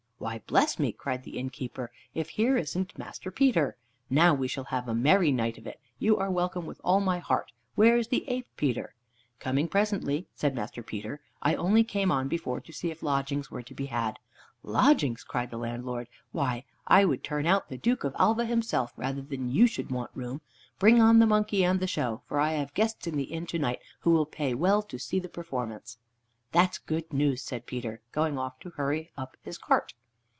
"Why, bless me!" cried the innkeeper, "if here isn't Master Peter. Now we shall have a merry night of it. You are welcome, with all my heart. Where is the ape, Peter?" "Coming presently," said Master Peter. "I only came on before to see if lodgings were to be had." "Lodgings!" cried the landlord. "Why, I'd turn out the Duke of Alva himself rather than you should want room. Bring on the monkey and the show, for I have guests in the inn to night who will pay well to see the performance." "That's good news," said Peter, going off to hurry up his cart.